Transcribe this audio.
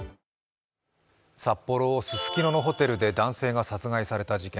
札幌・ススキノのホテルで男性が殺害された事件。